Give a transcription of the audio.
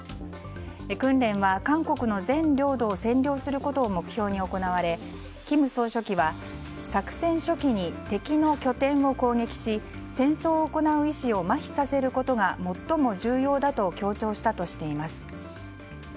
訓練は、韓国の全領土を占領することを目標に行われ金総書記は作戦初期に敵の拠点を攻撃し戦争を行う意志をまひさせることが最も重要だと強調したとしています。